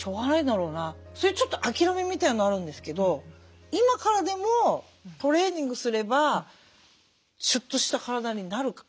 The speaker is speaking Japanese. そういうちょっと諦めみたいのあるんですけど今からでもトレーニングすればシュッとした体になるか？